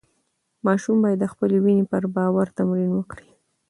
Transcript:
ماشوم باید د خپلې وینې پر باور تمرین وکړي.